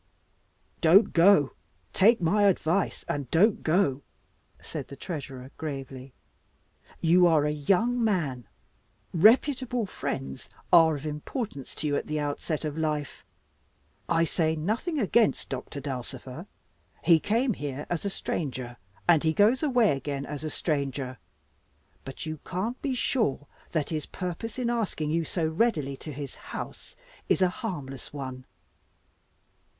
"Don't go. Take my advice and don't go," said the Treasurer, gravely. "You are a young man. Reputable friends are of importance to you at the outset of life. I say nothing against Doctor Dulcifer he came here as a stranger, and he goes away again as a stranger but you can't be sure that his purpose in asking you so readily to his house is a harmless one.